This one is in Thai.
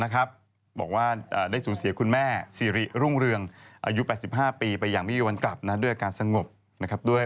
ครับผมเดี๋ยวช่วงหน้ากลับมานะครับ